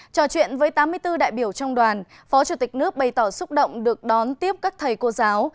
trò chuyện với tám mươi bốn đại biểu trong đoàn phó chủ tịch nước bày tỏ xúc động được đón tiếp các thầy cô giáo